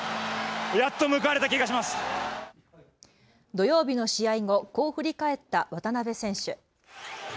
土曜日の試合後、こう振り返った渡邊選手。